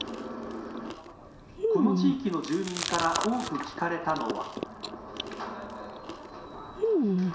この地域の住民から多く聞かれたのは。